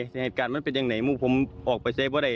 สิ่งอาจารย์มันเป็นอย่างไรมุมผมออกไปใช้เพราะอะไร